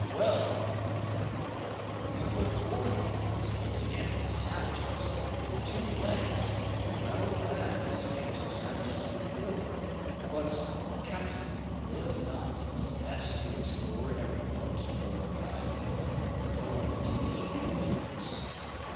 "Well," replied Pencroft, "we will fortify ourselves against savages with two legs as well as against savages with four. But, captain, will it not be best to explore every part of the island before undertaking anything else?"